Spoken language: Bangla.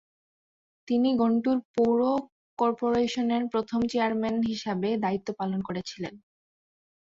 তিনি গুন্টুর পৌর কর্পোরেশনের প্রথম চেয়ারম্যান হিসাবে দায়িত্ব পালন করেছিলেন।